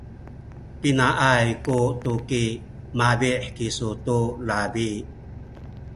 pinaay ku tuki mabi’ kisu tu labi?